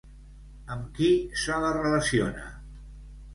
Amb qui se la relaciona?